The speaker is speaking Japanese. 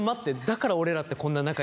だから俺らってこんな仲いいの？